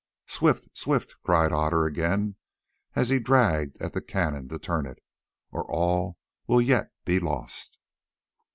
"Swift! swift!" cried Otter again as he dragged at the cannon to turn it, "or all will yet be lost."